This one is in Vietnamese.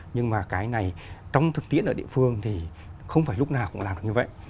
nhưng mà cái này trong thực tiễn ở địa phương thì không phải lúc nào cũng làm được như vậy